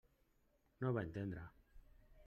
No ho va entendre.